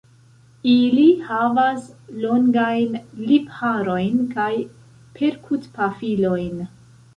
Ili havas longajn lipharojn kaj perkutpafilojn.